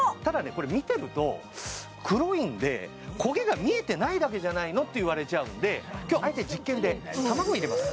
これ見てると黒いので焦げが見えてないだけじゃないのって言われちゃうので今日あえて実験で卵入れます